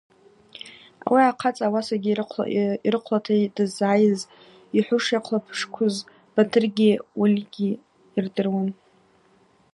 Ауи ахъацӏа ауасагьи йрыхъвлата дызгӏайыз, йхӏвуш йахъвлапшквуз Батыргьаригьи Уалигьи йырдыруан.